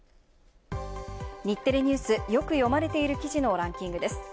日テレＮＥＷＳ、よく読まれている記事のランキングです。